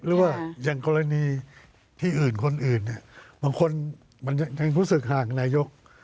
หรือว่าอย่างกรณีที่อื่นคนอื่นเนี่ยบางคนมันยังรู้สึกห่างนายก